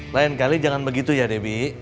lain kali jangan begitu ya debbie